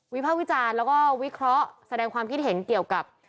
ภาควิจารณ์แล้วก็วิเคราะห์แสดงความคิดเห็นเกี่ยวกับ